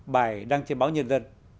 bài đăng trên báo nhân dân